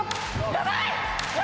やばいよ！